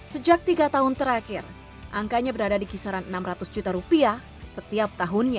sejak tiga tahun terakhir angkanya berada di kisaran enam ratus juta rupiah setiap tahunnya